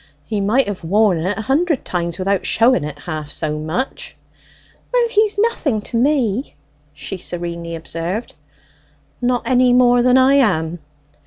"He might have worn it a hundred times without showing it half so much." "Well, he's nothing to me," she serenely observed. "Not any more than I am?"